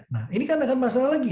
nah ini kan akan masalah lagi